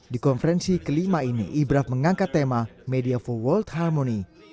di konferensi kelima ini ibraf mengangkat tema media for world harmony